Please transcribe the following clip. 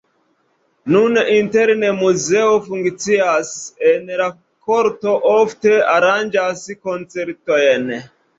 Nun interne muzeo funkcias, en la korto ofte aranĝas koncertojn.